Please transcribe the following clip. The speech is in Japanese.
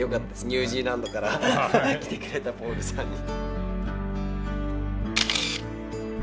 ニュージーランドから来てくれたポールさんに。